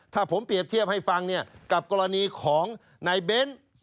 ถ้าผมเปรียบเทียบให้ฟังกับกรณีของนายเบ้น